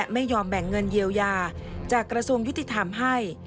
ไม่ยอมแบ่งเงินเยียวยาจากกระทรวงยุติธรรมให้